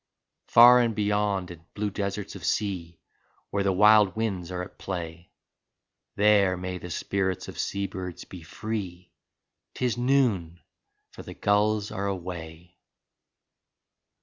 Far and beyond in blue deserts of sea, Where the wild winds are at play. There may the spirits of sea birds be free — *Tis noon, for the gulls are away.